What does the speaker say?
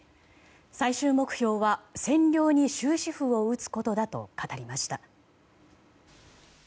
最終目標は占領に終止符を打つことだと語りました。